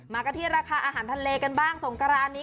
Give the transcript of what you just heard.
กันที่ราคาอาหารทะเลกันบ้างสงกรานนี้